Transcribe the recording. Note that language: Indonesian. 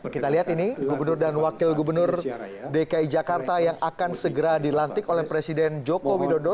kita lihat ini gubernur dan wakil gubernur dki jakarta yang akan segera dilantik oleh presiden joko widodo